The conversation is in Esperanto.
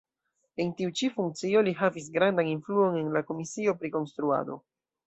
En tiu ĉi funkcio li havis grandan influon en la komisio pri konstruado.